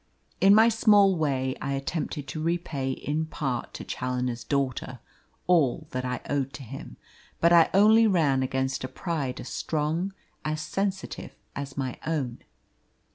In my small way I attempted to repay in part to Challoner's daughter all that I owed to him; but I only ran against a pride as strong, as sensitive as my own.